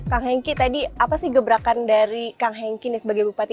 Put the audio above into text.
ya kang henki tadi apa sih gebrakan dari kang henki sebagai bupati